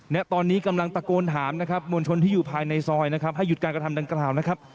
ณตอนนี้กำลังตะโกนถามนะครับมวลชนที่อยู่ภายในซอยนะครับให้หยุดการกระทำดังกล่าวนะครับ